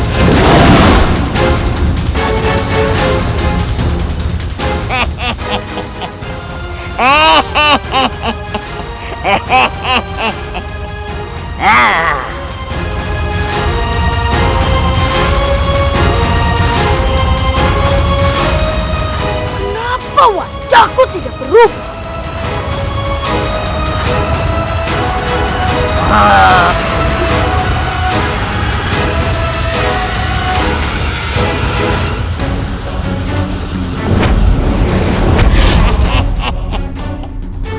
kenapa wajahku tidak berubah